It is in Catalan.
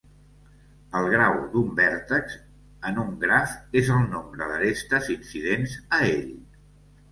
El grau d'un vèrtex en un graf és el nombre d'arestes incidents a ell.